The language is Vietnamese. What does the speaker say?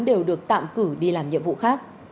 đều được tạm cử đi làm nhiệm vụ khác